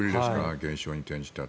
減少に転じたの。